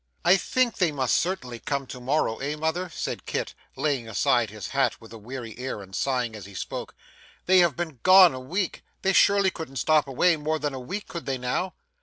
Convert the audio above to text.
'I think they must certainly come to morrow, eh mother?' said Kit, laying aside his hat with a weary air and sighing as he spoke. 'They have been gone a week. They surely couldn't stop away more than a week, could they now?